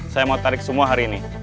saya mau tarik semua hari ini